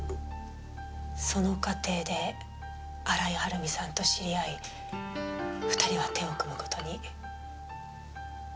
その過程で新井はるみさんと知り合い２人は手を組む事に。